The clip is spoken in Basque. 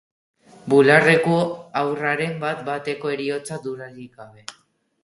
Bularreko haurraren bat-bateko heriotza, dudarik gabe.